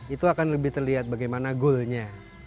itu akan lebih terlihat bagaimana goalnya